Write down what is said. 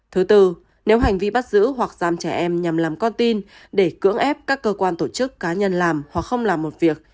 thứ tư nếu hành vi bắt giữ hoặc giam trẻ em nhằm làm con tin để cưỡng ép các cơ quan tổ chức cá nhân làm hoặc không làm một việc